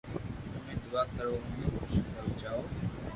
تمي دعا ڪرو ڪي ھون خوݾ ھوئي جاو